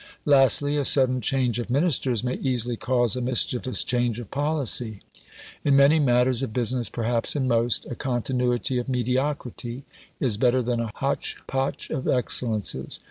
Lastly, a sudden change of Ministers may easily cause a mischievous change of policy. In many matters of business, perhaps in most, a continuity of mediocrity is better than a hotch potch of excellences.